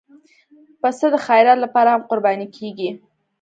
پسه د خیرات لپاره هم قرباني کېږي.